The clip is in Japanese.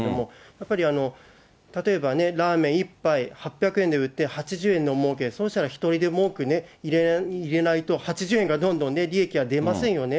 やっぱり、例えばね、ラーメン１杯８００円で売って８０円のもうけ、そうしたら一人でも多くね、入れないと、８０円がどんどん利益は出ませんよね。